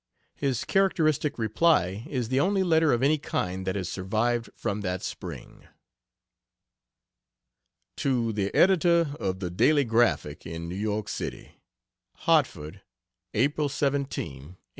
His characteristic reply is the only letter of any kind that has survived from that spring. To the Editor of "The Daily Graphic," in New York City: HARTFORD, Apl. 17, 1873.